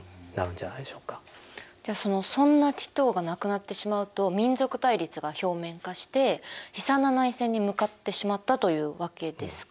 じゃあそんなティトーが亡くなってしまうと民族対立が表面化して悲惨な内戦に向かってしまったというわけですか？